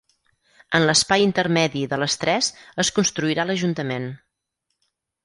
En l'espai intermedi de les tres es construirà l'Ajuntament.